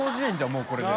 もうこれで。